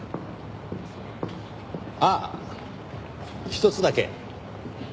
ああひとつだけ。